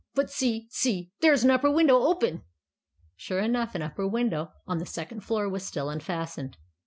But see ! see ! there is an upper window open !" Sure enough, an upper window on the second floor was still unfastened.